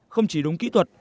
không chỉ đúng kỹ thuật